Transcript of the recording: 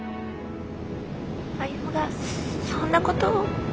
歩がそんな事を？